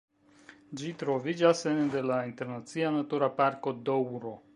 Ĝi troviĝas ene de la Internacia Natura Parko Doŭro.